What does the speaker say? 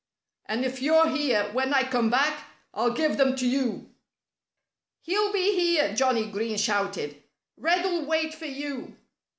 And if you're here when I come back I'll give them to you." "He'll be here!" Johnnie Green shouted. "Red'll wait for you."